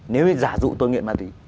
nếu như giả dụ tôi nghiện ma tí